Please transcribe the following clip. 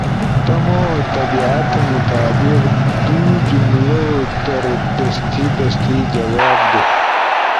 تمو طبیعت مطابق دُو جملؤ در دستی دستی جواب دے۔